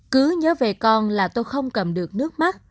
cứ nhớ về con là tôi không cầm được nước mắt